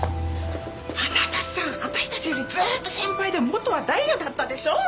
あなたさぁわたしたちよりずっと先輩で元はダイヤだったでしょ？